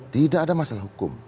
tidak ada masalah hukum